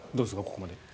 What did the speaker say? ここまで。